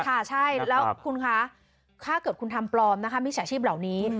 ค่ะใช่แล้วคุณคะถ้าเกิดคุณทำปลอมนะคะมิจฉาชีพเหล่านี้